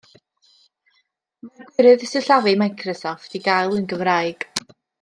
Mae gwirydd sillafu Microsoft i gael yn Gymraeg.